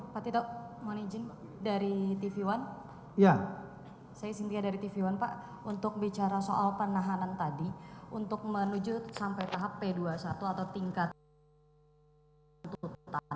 sejauh ini apakah sudah ada koordinasi dengan pihak kpud bicara soal tentang pendatapan tersangka yang pertama